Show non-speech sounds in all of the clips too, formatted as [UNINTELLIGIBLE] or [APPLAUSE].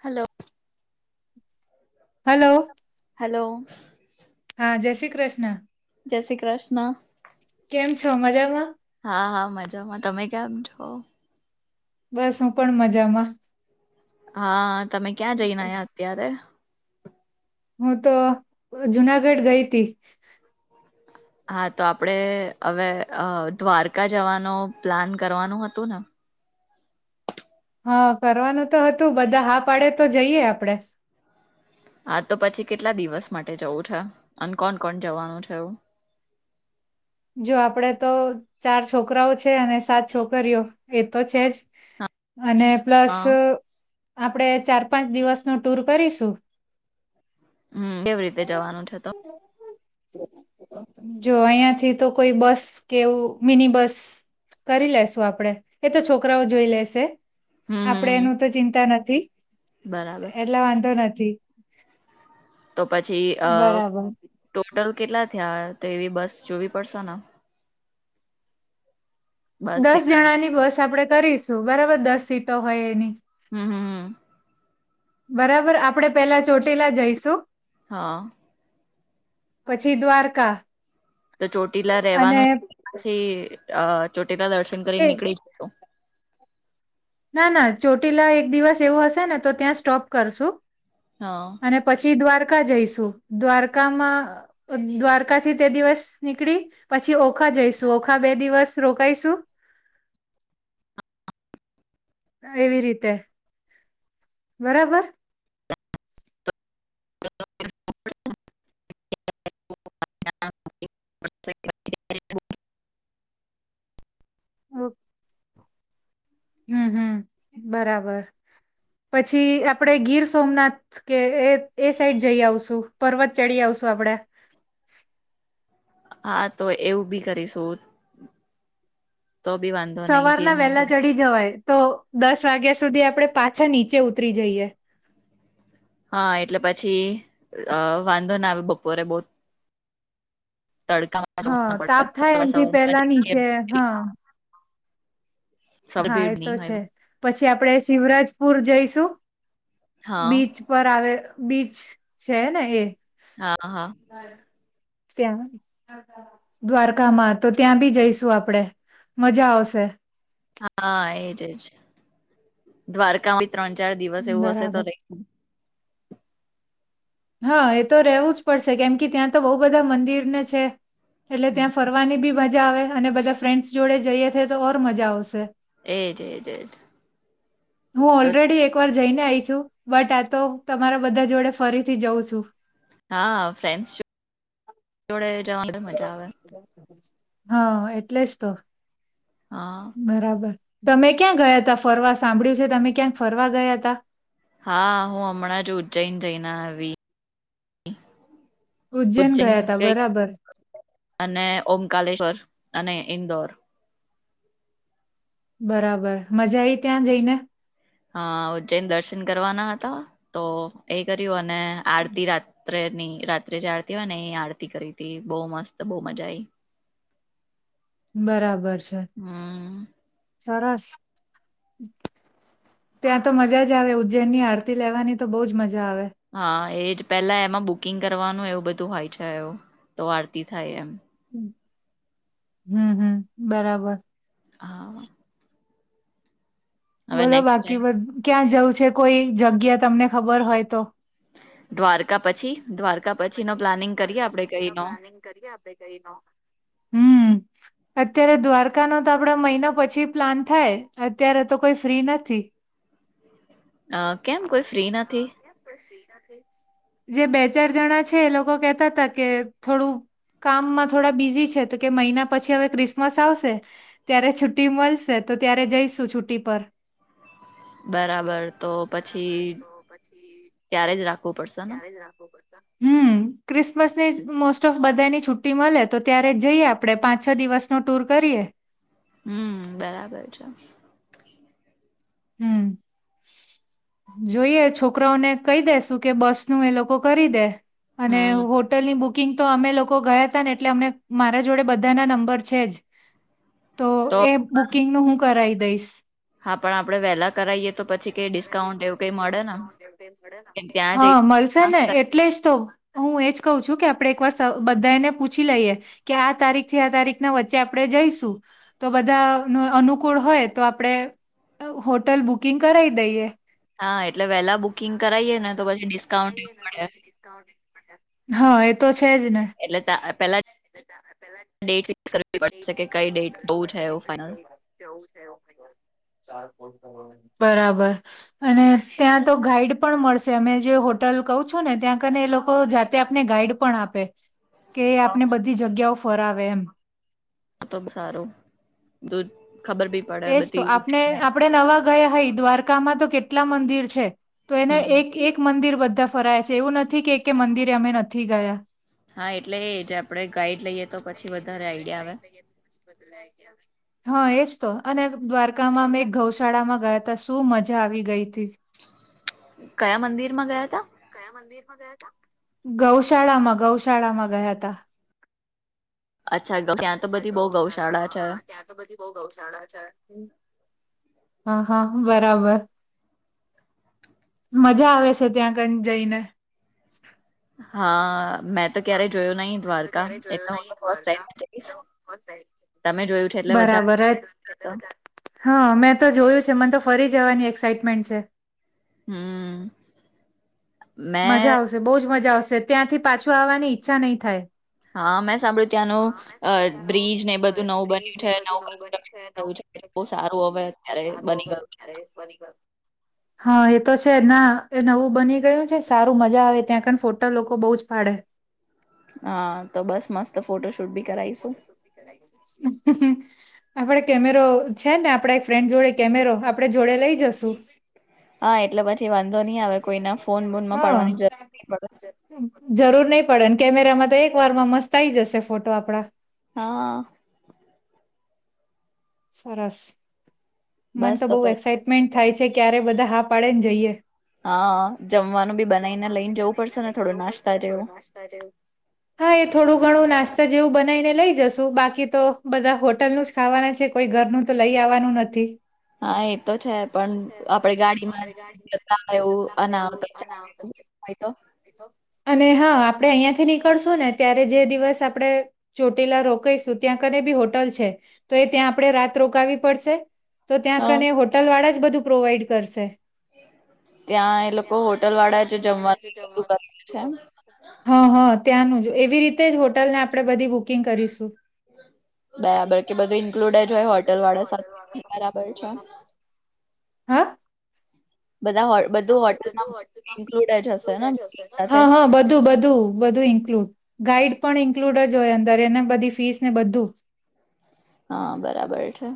Hello hello hello હા જય શ્રી કૃષ્ણ જય શ્રી કૃષ્ણ કેમ છો મજામાં હા હા મજામાં તમે કેમ છો બસ હું પણ મજામાં હા તમે ક્યાં જઈને આયા અત્યારે હું તો જુનાગઢ ગઈ હતી હ [INAUDIBLE] હા તો આપડે હવે દ્વારકા જવાનું પ્લાન કરવાનું હતું ને હા કરવાનું તો હતું બધા હા પાડે તો જઈએ આપડે હા તો પછી કેટલા દિવસ માટે જવું છે અને કોણ કોણ જવાનું છે એવું [INAUDIBLE] જો આપડે તો ચાર છોકરાઓ છે અને સાત છોકરીઓ એ તો છે જ અને પ્લસ આપણેે ચાર પાંચ દિવસ નો ટુર કરીશું હમ કેવી રીતે જવાનું છે તો જો અહિયાંથી તો કોઈ બસ કેવું મિની બસ કરી લેશું આપડે એ તો છોકરાઓ જોઈ લેશે આપડે એનું તો ચિંતા નથી એટલે વાંધો નથી તો પછી અ ટ હોટલ કેટલા થયા તો એવી બસ જોવી પડશો ને દસ જણાની બસ આપણે કરીશું બરાબર દસ સીટો હોય એની હમ હ હ બરાબર આપડે પેલા ચોટીલા જઈશું હા પછી દ્વારકા તો ચોટીલા રેવાનું પછી ચોટીલા દર્શન કરી નીકળી જું ના- ના ચોટીલા એક દિવસ એવું હશે ને તો ત્યાં સ્ટોપ કરશું. અને પછી દ્વારકા. જઈશું દ્વારકામાં દ્વારકાથી તે દિવસ નીકળી પછી ઓખા જઈશું ઓખા બે દિવસ રોકાઈશું. [UNINTELLIGIBLE] એવી રીતે બરાબર [INAUDIBLE] [INAUDIBLE] ઓ. હમ હમ બરાબર પછી આપડે ગીર સોમનાથ કે એ એ સાઈડ જઈ આવશું પર્વત ચડી આવ શુ આપડે હા તો એવું બી કરીશું સવારના વહેલા ચડી જવાય તો દસ વાગ્યા સુધી આપડે પાછા નીચે ઉતરી જઈએ હ એટલે પછી અ વાંધો ના આવ્યો બપોરે બો તડકામાં [UNINTELLIGIBLE] હા એ તો છે, પછી આ આપડે શિવરાજપુર જઈશું બીચ પર આવે બીચ છે ને એ. હા- હા ત્યાં દ્વારકામાં તો ત્યાં બી જઈશું આપડે. મજા આવશે. હા એજ-એજ દ્વારકા. ત્રણ ચાર દિવસ એવું હશે તો રેઈસુ. હા એ તો રહેવું જ પડશે કેમ કે ત્યાં તો બહુ બધા મંદિરને છે. એટલે ત્યાં ફરવાની બી મજા આવે અને બધા ફ્રેન્ડ્સ જોડે જઈએ થ તો ઓર મજા આવશે. એજ- એજ હું ઓલરેડી એકવાર જઈને આઈ છું બટ આ તો તમારા બધા જોડે ફરીથી જઉં છું. હા ફ્રેન્સ જોડે હા એટલે જ તો બરાબર તમે ક્યાં ગયા તા ફરવા સાંભળ્યું છે તમે ક્યાંક ફરવા ગયા તા? હા હું હમણાં જ ઉજ્જૈન જઈને આવી ઉજ્જૈન ગઈ અને ઓમકાલેશ્વર અને ઈન્દોર બરાબર મજા આઈ ત્યાં જઈ ને? હ ઉજ્જૈન દર્શન કરવાના હતા તો એ કર્યું અને આડતી રા રાત્રે ની રાત્રે જે આરતી હોય ને એ આરતી કરી તી બો મસ્ત બો મજા આઈ બરાબર હમ. સરસ. ત્યાં તો મજા જ આવે ઉજ્જૈનની આરતી લેવાની તો બોજ મજ હા એજ પેલા એમાં બુકિંગ કરવાનું એવું બધું હોય છે, એવુ તો આરતી થાય એમ હમ હમ બરાબર હા. બોલો બાકી બ ક્યાં જવું છે, કોઈ જગ્યા તમને ખબર હોય તો? દ્વારકા પછી દ્વારકા પછી દ્વારકા પછી નો પ્લાનિંગ કરીએ આપણે કઈ નો? હમમ. અત્યારે દ્વારકા નો તો આપડા મહિના પછી પ્લાન થાય અત્યારે તો કોઈ ફ્રી નથી. અ કેમ કોઈ ફ્રી નથી? જે બે ચાર જણા છે, એ લોકો કેતાતા કે થોડું કામમાં થોડા બિઝી છે, તો કે મહિના પછી હવે ક્રિસમસ આવશે ત્યારે છુટી મલશે તો ત્યારે જઈશુ છુટી પર બરાબર તો પછી ત્યારે જ રા હમમ. ક્રિસમસની મોસ્ટ ઓફ બધાની છુટ્ટી મળે તો ત્યારે જઈએ આપડણે પાંચ છ દિવસનોો ટૂર કરીએ. હમ બરાબર છે. હમ. જોઈએ છોકરાઓને કહી દે શું કે બસ નું એ લોકો કરી દે. અને હોટલ ની બુક કુકિંગ તો અમે લોકો ગયા હતા ને એટલે અમને મારા જોડે બધાના નંબર છે જ. તો એ બુકિંગ ન હું કરાવી દઈશ. હા પણ આપણે વહેલા કરાવીએ તો પછી તો પછી ડીસ્કાઉ મળે ને હા મળશે ને એટલે જ તો. હું એજ કહ છું કે આપડે એક વાર બધાને પૂછી લઈએ કે આ તારીખ થી આ તારીખ ના વચ્ચે આપણેે જઈશું તો બધા ન અનુકૂળ હોય તો આપણેે. હોટલ બુકિંગ કરાય દઈએ હા એટલે વેલા બુકિંગ કરાએે ને તો પછી ડિ હા એતો એટલેતા પેલા [UNINTELLIGIBLE] જવું છે [UNINTELLIGIBLE] બરાબર અને ત્યાં તો ગાઈડ પણ મળશે અમે જે હો તલ કઉ છું ને ત્યાં કને એ લોકો જાતે આપને ગાઈડ પણ આપે. કે આપને બધી જગ્યાઓ ફરવે એમ આ તો બસારો દુધ એજ તો આપણે આપડે નવા ગયા હઈ દ્વારકામાં તો કેટલા મંદિર છે. તો એને એક એક મંદિર બધા ફરાય છે એવું નથી કે એક મંદિરે અમે નથી ગયા. હા એટલે એ જ આપડણે ગાઈડ લઈએ તો પછી વધારે આઈડિયા આવે. હા એજ તો અને દ્વારકામાં મેં ગૌશાળામાં ગયા ત શું મજા આવી ગઈ. કયા મંદિર માં ગયા તા? ગૌશાળામાં ગૌશાળામાં ગયા તા. અચ્છા ત્યાં તો બધી બહુ ગૌશાળા છે. હા હા બરાબર. મજા આવે છે ત્યાં ક જઈને. હા મેં તો ક્યારેય જોયયો નહી. મેં તો ક્યારેય જોયો નહી દ્વારકા. બરાબર હા મેં તો જોયું છે મને તો ફરી. જવાની એક્સાઇટમેન્ટ છે. હા. મજા આવશે બહુજ મજા આવશે ત્યાંથી પાછું આવવાની ઈચ્છા નહીં થાય. હા મેં સાંભળ્યું ત્યાંનું બ્રિજ ને એ બધું નવું બન્યું છે નવું થયું છે. એટલું સારું હવે અત્યારે બની ગયું. હા એ તો છે ના એ નવું બની ગયું છે. સારું મજા આવે ત્યાં ક ફોટા લોકો બહુ જ પાડે. હા તો બસ મસ્ત ફોટો. [UNINTELLIGIBLE] આપડ કેમેરો છે ને આપડા એક ફ્રેન્ડ જોડે કેમેરો આપડે જોડે લઈ જશુ. હ જરૂર નહી. પડે કેમેરામાં તો એક વારમાં મસ્ત આવી જશે ફોટો આપડા હા સરસ મને તો બહુ એક્સાઈટમેન્ટ થાય છે ક્યારે બધા હા પાડે ને જઈએ હા જમવાનું બી બનાવીને લઈને જવું પડશે ને થોડું નાસ્તા જેવું હા એ થોડુંક ઘણું નાસ્તા જેવું બનાવીને લઈ જશું બાકી તો બધા હોટલનું જ ખાવા વાળા છે કોઈ ઘરનું તો લઈ જવાનું નથી. હા એતો છે પણ આપડે ગાડીમાં જતા હોય એવું અને આવતા ચાલે એવું હા ઈતો અને હા આપણે અહિયાં થી નીકળશું ને ત્યારે જે દિવસ આપણે ચોટીલા રોકઈશું, ત્યાં કને [UNINTELLIGIBLE] બી હોટલ છે તો એ ત્યાં આપણે રાત રોકાવી પડશે. તો ત્યાં કને હોટલ વાળા જ બધું પ્રોવાઈડ કરશે. એ હ હ. ત્યાંનું જ એવી રીતે જ હોટલ ને આપણે બધી બુકિંગ કરીશું. બરાબર કે બધું ઇન્ક્લુડ જ હોય હોટલ વાળા સાથે. હા? બધું હોટલ માં ઇન્કલુડજ હશે ને હા હા બધું બધું બધું ઇન્કલુડ ગાઈડ પણ ઇન્ક્લુડ જ હોય અંદર એને બધી ફીસ ને બધું હા બરાબર છે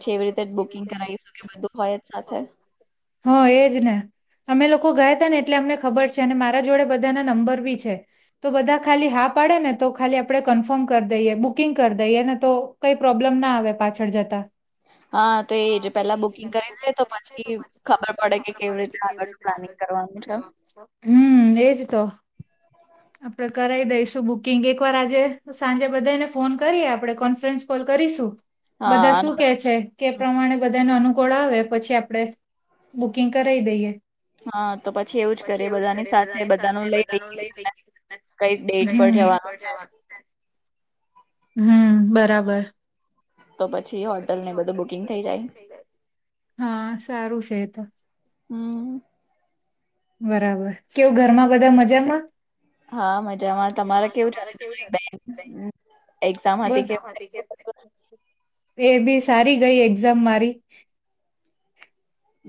હા તો પછી એવી રીતે જ બુક કરી હા એજ ને તમે લોકો લોકો ગયા તા ને એટલે અમને ખબર છે અને મારા જોડે બધા ના નંબર ભી છે તો બધા ખાલી હા પાડે ને તો ખાલી આપણે કન્ફર્મ કરી દઈએ બુકિંગ કરી દઈએ ને તો કઈ પ્રોબ્લેમ ના આવે પાછળ જતા હ હા તો એ જે પેલા બુકિંગ કરી દે તો પછી ખબર પડે કે કેવી રીતે આગળનું પ્લાનિંગ કરવાનું હમ એજ તો આપણે કરાઈ દઈશ બુકિંગ એકવાર આજે સાંજે બધાને ફોન કરીએ આપણે કોન્ફરન્સ કોલ કરીશું. હા. છે કે પ્રમાણે બધાને અનુકૂળ આવે પછી આપણે બુકિંગ કરાઈ દઈએ. હા તો પછી એવું જ કરીએ બધાની સાથે બધા નો લઈ લઈએ. કઈ ડેટ પર જવાનું ને હમ્મ, બરાબર. હા, સારું સે એ તો. હમ્મ. બરાબર કેવુ ઘરમાં બધા મજામાં? હા મજામાં, તમારે કેવું ચાલે તમારી બેન એક્ઝામ હતી [UNINTELLIGIBLE] એ બી સારી ગઈ એક્ઝામ મારી.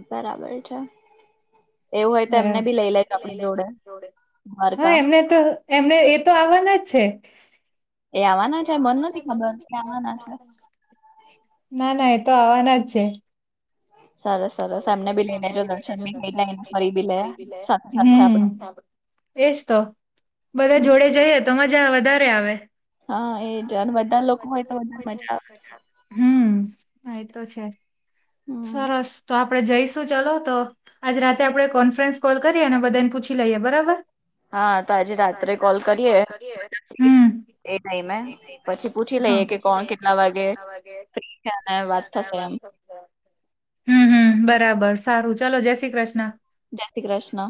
બરાબર છે. બરા હે એમને તો એમને એ તો આવવાના જ છે. ના ના એતો આવાના જ છે. હમ્મ. એજ તો. બધા જોડે જઈએ તો મજા વધારે આવે. હમ્મ. હા એતો છે, સરસ. આપેડે જઈશું ચલો તો, આજ રાતે આપડે કોન્ફરન્સ કોલ કરીએ અને બધાઇને પૂછી લઈએ, બરાબર? હા, તો આજે રાત્રે કોલ કરીએ બધા જઈએ. એ નઈ મે પછી પૂછી લઈએ કે કોણ કેટલા વાગે ફ્રી છે અને વાત થશે એમ. [INAUDIBLE] હમ્મ હમ્મ બરાબર, સારું ચાલો જય શ્રી કૃષ્ણ. જય શ્રી કૃષ્ણ.